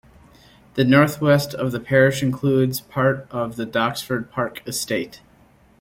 The north-west of the parish includes part of the Doxford Park estate.